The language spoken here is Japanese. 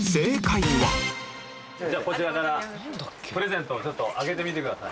こちらからプレゼントをちょっと開けてみてください。